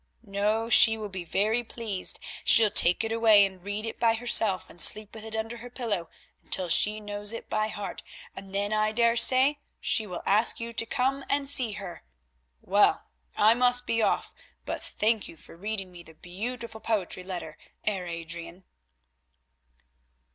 "No, she will be very pleased; she'll take it away and read it by herself, and sleep with it under her pillow until she knows it by heart, and then I daresay she will ask you to come and see her. Well, I must be off, but thank you for reading me the beautiful poetry letter, Heer Adrian."